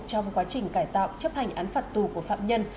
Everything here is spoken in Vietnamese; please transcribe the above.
trong quá trình cải tạo chấp hành án phạt tù của phạm nhân